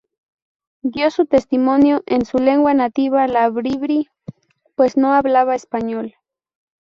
Dio su testimonio en su lengua nativa, la bribri, pues no hablaba español.